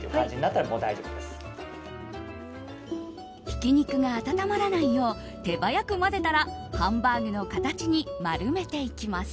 ひき肉が温まらないよう手早く混ぜたらハンバーグの形に丸めていきます。